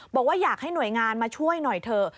บอกว่าอยากให้หน่วยงานมาช่วยหน่อยเถอะ